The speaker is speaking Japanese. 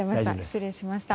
失礼しました。